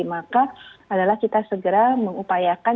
maka adalah kita segera mengupayakan